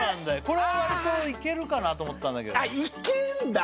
これは割といけるかなと思ったんだけどいけんだ！